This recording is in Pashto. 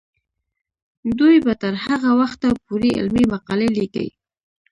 دوی به تر هغه وخته پورې علمي مقالې لیکي.